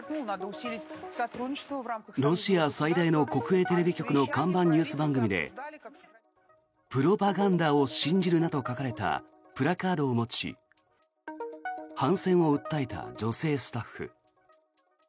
ロシア最大の国営テレビ局の看板ニュース番組で「プロパガンダを信じるな」と書かれたプラカードを持ち反戦を訴えた女性スタッフ。